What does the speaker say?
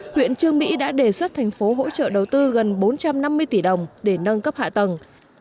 huyện trương mỹ đã đề xuất thành phố hỗ trợ đầu tư gần bốn trăm năm mươi tỷ đồng để nâng cấp hạ tầng